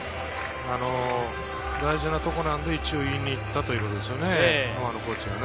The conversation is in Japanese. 大事なところなんで、一応、言いに行ったという、コーチがね。